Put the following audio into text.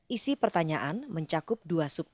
isi pertanyaan mencakup dua subjek